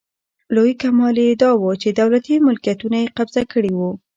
لوی کمال یې داوو چې دولتي ملکیتونه یې قبضه کړي وو.